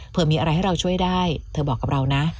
เพื่อมีอะไรให้เราช่วยได้เธอบอกกับเรานะ